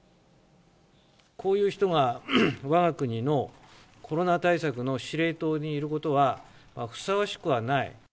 こういう人がわが国のコロナ対策の司令塔にいることは、ふさわしくはない。